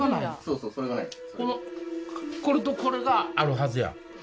これとこれがあるはずや。